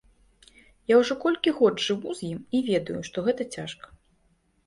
Я ўжо колькі год жыву з ім і ведаю, што гэта цяжка.